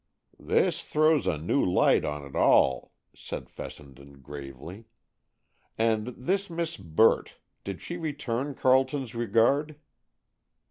"This throws a new light on it all," said Fessenden gravely. "And this Miss Burt—did she return Carleton's regard?"